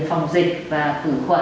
phòng dịch và khử khuẩn